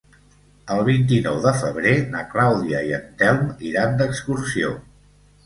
El vint-i-nou de febrer na Clàudia i en Telm iran d'excursió.